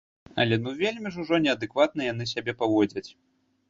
Але ну вельмі ж ужо неадэкватна яны сябе паводзяць.